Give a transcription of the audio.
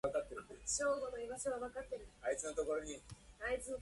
学の広い人で仏文学にも和漢の文学にも相当親しみをもった人でした